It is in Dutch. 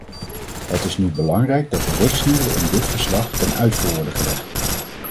Het is nu belangrijk dat de richtsnoeren in dit verslag ten uitvoer worden gelegd.